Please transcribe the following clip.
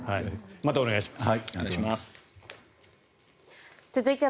またお願いします。